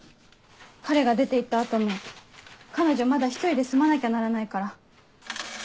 彼が出て行った後も彼女まだ１人で住まなきゃならないから。